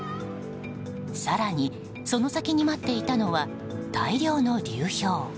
更に、その先に待っていたのは大量の流氷。